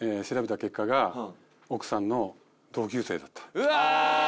うわ！